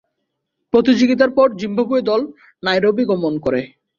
প্রতিযোগিতার পর জিম্বাবুয়ে দল নাইরোবি গমন করে।